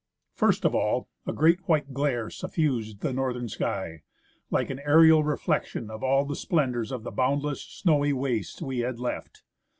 First of all, a great white glare suffused the northern sky, like an aerial reflection of all the splendours of the boundless, snowy 177 N THE ASCENT OF MOUNT ST. ELIAS wastes we had left.